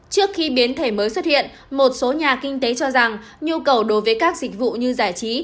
trước khi biến thể mới xuất hiện một số nhà kinh tế cho rằng nhu cầu đối với các dịch vụ như giải trí